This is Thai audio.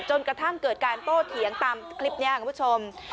จนกระทั่งเกิดการโต้เถียงตามคลิปนี้คุณผู้ชม